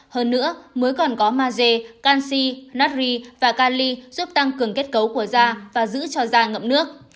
hơn nữa muối còn có maze canxi nutri và cali giúp tăng cường kết cấu của da và giữ cho da ngậm nước